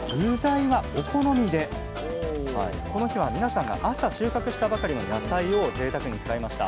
この日は皆さんが朝収穫したばかりの野菜をぜいたくに使いました。